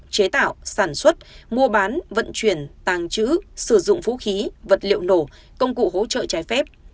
chế tạo sản xuất mua bán vận chuyển tàng trữ sử dụng vũ khí vật liệu nổ công cụ hỗ trợ trái phép